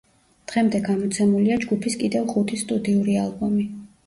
დღემდე გამოცემულია ჯგუფის კიდევ ხუთი სტუდიური ალბომი.